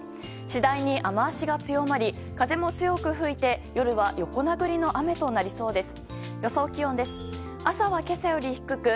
次第に雨脚が強まり風も強く吹いて夜は横殴りの雨となりそうです。